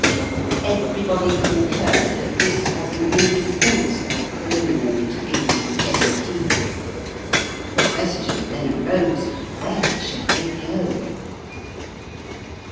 Everybody concurred that this was an indispensable preliminary to being genteel. The question then arose, Where should they go